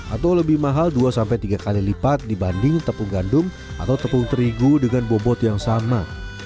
atau lebih mahal dua tiga kali lipat dibanding tepung gandum atau tepung terigu dengan bobot yang sama